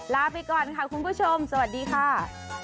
ลาไปก่อนค่ะคุณผู้ชมสวัสดีค่ะ